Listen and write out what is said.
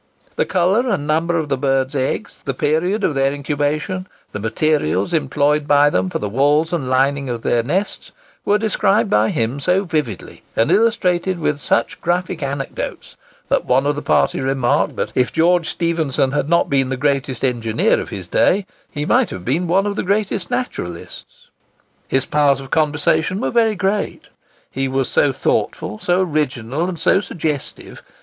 The colour and number of the bird's eggs, the period of their incubation, the materials employed by them for the walls and lining of their nests, were described by him so vividly, and illustrated by such graphic anecdotes, that one of the party remarked that, if George Stephenson had not been the greatest engineer of his day, he might have been one of the greatest naturalists. His powers of conversation were very great. He was so thoughtful, so original, and so suggestive.